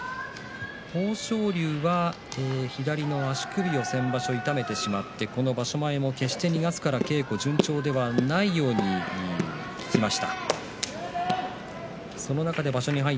豊昇龍は左の足首を先場所に痛めてしまって、この場所前も２月から稽古順調ではないように聞きました。